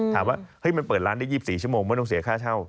ถามว่ามันเปิดร้านได้๒๔ชั่วโมงไม่ต้องเสียค่าเช่า